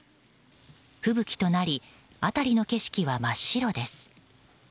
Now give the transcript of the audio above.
吹雪となり辺りの景色は真っ白です。